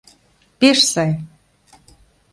— Пеш сай!